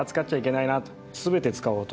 全て使おうと。